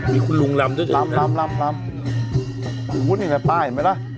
มีคุณลุงลำด้วยด้วยนะลำลำลำพูดอย่างไรป้าเห็นไหมล่ะ